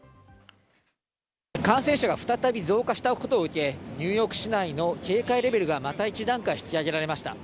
感染者が再び増加したことを受け、ニューヨーク市内の警戒レベルがまた１段階、引き上げられました。